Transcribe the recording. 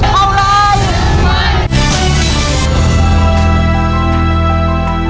เอาเลย